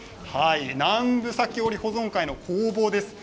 南部裂織保存会の工房です。